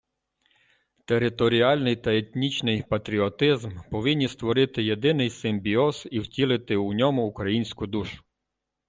Територіальний та етнічний патріотизм повинні створити єдиний симбіоз і втілити у ньому українську душу